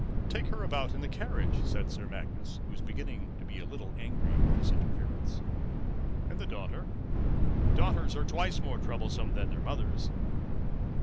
"Take her about in the carriage," said Sir Magnus, who was beginning to be a little angry with this interference. "And the daughter? Daughters are twice more troublesome than their mothers."